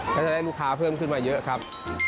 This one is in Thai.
ก็จะได้ลูกค้าเพิ่มขึ้นมาเยอะครับ